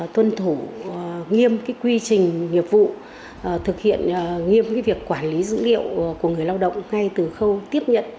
tuân thủ nghiêm quy trình nghiệp vụ thực hiện nghiêm việc quản lý dữ liệu của người lao động ngay từ khâu tiếp nhận